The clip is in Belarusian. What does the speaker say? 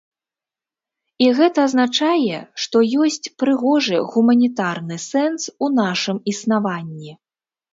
І гэта азначае, што ёсць прыгожы гуманітарны сэнс у нашым існаванні.